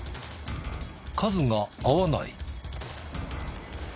数が合わない。